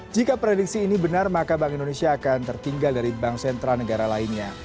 jika prediksi ini benar maka bank indonesia akan tertinggal dari bank sentra negara lainnya